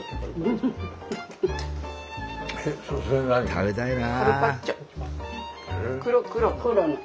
食べたいな。